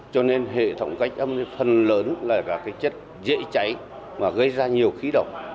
cho nên hệ thống cách âm phần lớn là chất dễ cháy và gây ra nhiều khí độc